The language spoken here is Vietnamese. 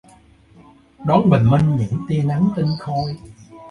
Đón bình minh những tia nắng tinh khôi